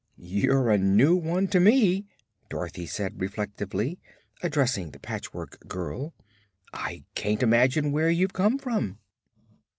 "You're a new one to me," Dorothy said reflectively, addressing the Patchwork Girl. "I can't imagine where you've come from."